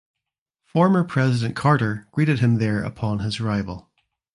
Former President Carter greeted him there upon his arrival.